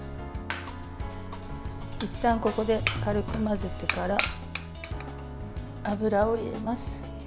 いったんここで、軽く混ぜてから油を入れます。